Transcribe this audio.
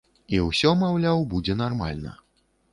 І ўсё, маўляў, будзе нармальна.